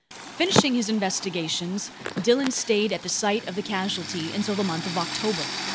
Finishing his investigations, Dillon stayed at the site of the casualty until the month of October.